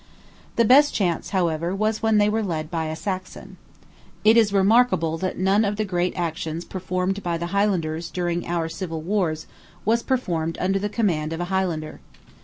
The best chance, however, was when they were led by a Saxon. It is remarkable that none of the great actions performed by the Highlanders during our civil wars was performed under the command of a Highlander.